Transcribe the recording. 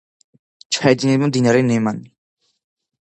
ჩაედინება მდინარე ნემანი.